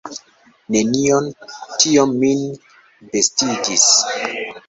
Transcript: Nenion; tio min bestigis.